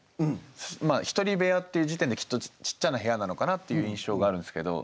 まあ「一人部屋」っていう時点できっとちっちゃな部屋なのかなっていう印象があるんですけど。